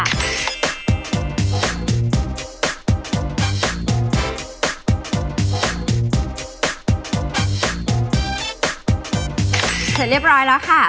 เสร็จเรียบร้อยแล้วค่ะ